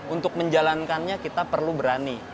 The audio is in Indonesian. untuk menjalankannya kita perlu berani